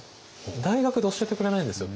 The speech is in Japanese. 大学で教えてくれないんですよ。